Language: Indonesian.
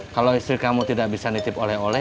kalau istri kamu tidak bisa nitip oleh oleh